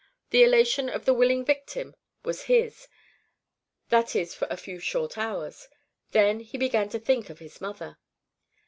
The elation of the willing victim was his, that is for a few short hours, then he began to think of his mother.